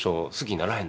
ならへん。